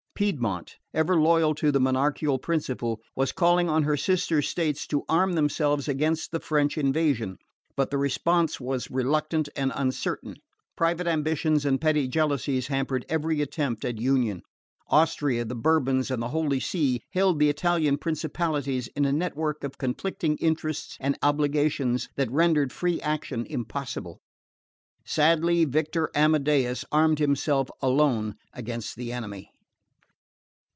Piedmont, ever loyal to the monarchical principle, was calling on her sister states to arm themselves against the French invasion. But the response was reluctant and uncertain. Private ambitions and petty jealousies hampered every attempt at union. Austria, the Bourbons and the Holy See held the Italian principalities in a network of conflicting interests and obligations that rendered free action impossible. Sadly Victor Amadeus armed himself alone against the enemy.